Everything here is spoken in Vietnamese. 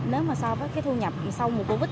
nếu mà so với thu nhập sau mùa covid